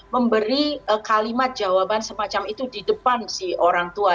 memberi kalimat jawaban semacam itu di depan si orang tua